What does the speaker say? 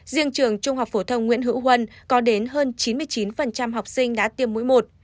riêng trường trung học phổ thông nguyễn hữu huân có đến hơn chín mươi chín học sinh đã tiêm mũi một